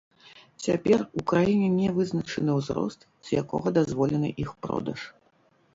Цяпер у краіне не вызначаны ўзрост, з якога дазволены іх продаж.